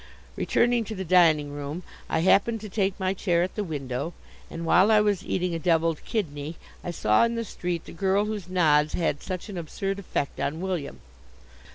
Returning to the dining room, I happened to take my chair at the window, and while I was eating a devilled kidney I saw in the street the girl whose nods had such an absurd effect on William.